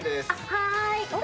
はい。